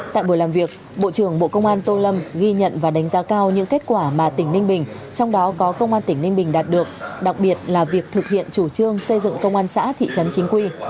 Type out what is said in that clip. tại buổi làm việc bộ trưởng bộ công an tô lâm ghi nhận và đánh giá cao những kết quả mà tỉnh ninh bình trong đó có công an tỉnh ninh bình đạt được đặc biệt là việc thực hiện chủ trương xây dựng công an xã thị trấn chính quy